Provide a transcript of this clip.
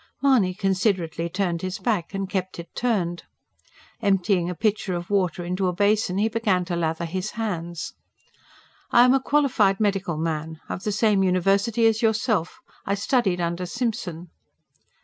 Mahony considerately turned his back; and kept it turned. Emptying a pitcher of water into a basin he began to lather his hands. "I am a qualified medical man. Of the same university as yourself. I studied under Simpson."